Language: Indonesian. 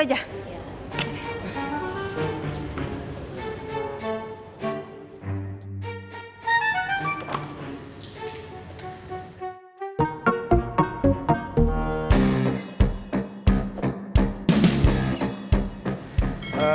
lo liat tadi minuman tumpah